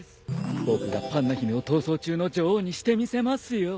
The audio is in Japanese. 僕がパンナ姫を逃走中の女王にしてみせますよ。